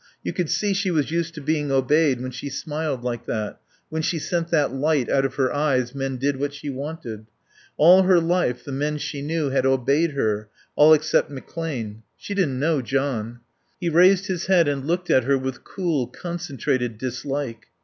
You could see she was used to being obeyed when she smiled like that; when she sent that light out of her eyes men did what she wanted. All her life the men she knew had obeyed her, all except McClane. She didn't know John. He raised his head and looked at her with cool, concentrated dislike.